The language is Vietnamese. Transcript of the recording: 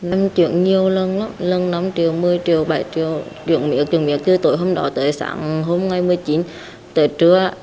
em chuyển nhiều lần lắm lần năm triệu một mươi triệu bảy triệu chuyển miệng chuyển miệng từ tối hôm đó tới sáng hôm một mươi chín tới trưa